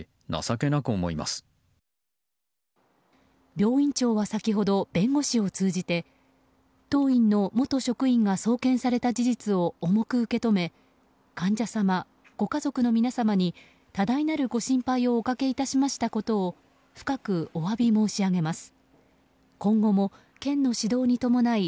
病院長は先ほど弁護士を通じて当院の元職員が送検された事実を重く受け止め患者様、ご家族の皆様に多大なるご心配をおかけいたしましたことを深くお詫び申し上げます